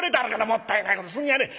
もったいないことすんじゃねえ。